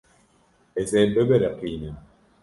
Ez ê bibiriqînim.